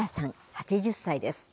８０歳です。